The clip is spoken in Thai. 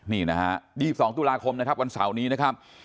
นี่นะฮะ๒๒ตุลาคมนะครับวันเสาร์นี้นะครับ